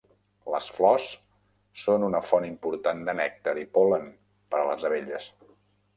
Les flors són una font important de nèctar i pol·len per a les abelles.